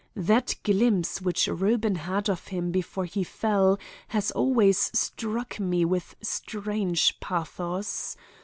That glimpse which Reuben had of him before he fell has always struck me with strange pathos.